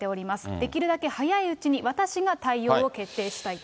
できるだけ早いうちに私が対応を決定したいと。